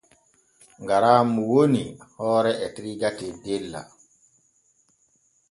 Garaamu woni hoore etirga teddella.